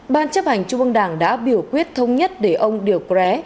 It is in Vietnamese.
ban chấp hành trung ương đảng đã biểu quyết thống nhất để ông điều quré